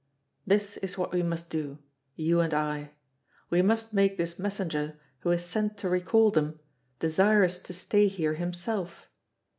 This is what we must do, you and I; we must make this messenger, who is sent to recall them, desirous to stay here himself.